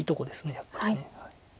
やっぱり。